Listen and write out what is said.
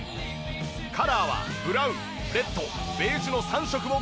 カラーはブラウンレッドベージュの３色をご用意。